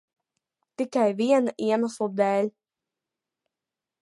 Tikai viena iemesla dēļ.